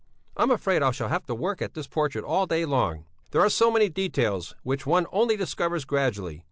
I'm afraid I shall have to work at this portrait all day long. There are so many details which one only discovers gradually.